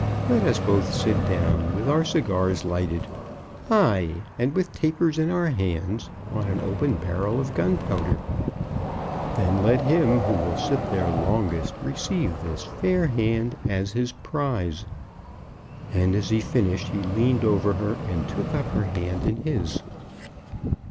Let us both sit down, with our cigars lighted, ay, and with tapers in our hands, on an open barrel of gunpowder. Then let him who will sit there longest receive this fair hand as his prize." And as he finished, he leaned over her, and took up her hand in his.